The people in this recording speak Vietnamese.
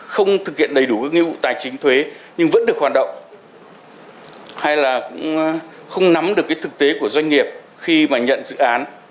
không nắm được thực tế của doanh nghiệp khi mà nhận dự án